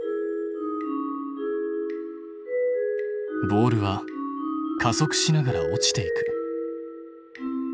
ボールは加速しながら落ちていく。